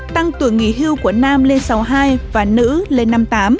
tăng tuổi nghỉ hưu của nam lên sáu mươi hai và nữ lên năm mươi tám